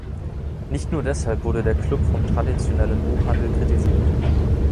Nicht nur deshalb wurde der Club vom traditionellen Buchhandel kritisiert.